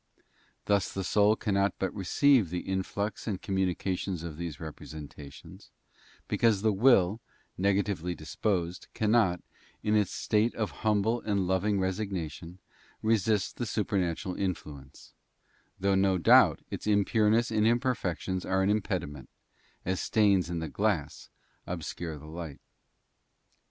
Thus the soul cannot but receive the influx and communications of these representations, because the will, negatively disposed, cannot, in its state of humble and loving resignation, resist the supernatural influence ; though, no doubt, its impureness and imperfections are an impediment, as stains in the glass obscure the light.